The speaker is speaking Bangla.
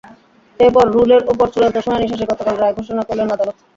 এরপর রুলের ওপর চূড়ান্ত শুনানি শেষে গতকাল রায় ঘোষণা করলেন আদালত।